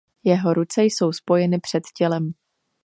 Jeho ruce jsou spojeny před tělem.